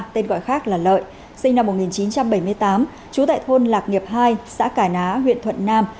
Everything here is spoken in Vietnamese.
tên gọi khác là lợi sinh năm một nghìn chín trăm bảy mươi tám trú tại thôn lạc nghiệp hai xã cải ná huyện thuận nam